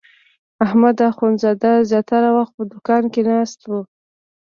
احمد اخوندزاده زیاتره وخت په دوکان کې ناست و.